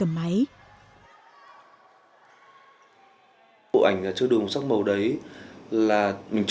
mấy đứa đi